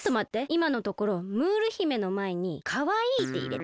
いまのところムール姫のまえに「かわいい」っていれて。